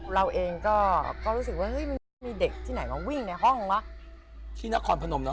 เราเองก็รู้สึกว่าเฮ้ยมีเด็กที่ไหนมาวิ่งในห้องหรือเปล่า